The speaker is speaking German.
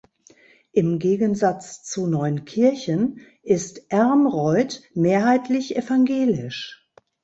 Im Gegensatz zu Neunkirchen ist Ermreuth mehrheitlich evangelisch.